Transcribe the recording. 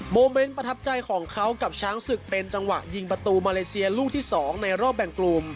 โมเมนต์ประทับใจของเขากับช้างศึกเป็นจังหวะยิงประตูมาเลเซียลูกที่๒ในรอบแบ่งกลุ่ม